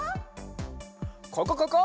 ここここ！